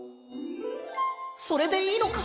それでいいのか？